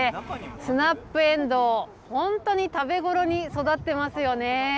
スナップエンドウ、本当に食べごろに育ってますよね。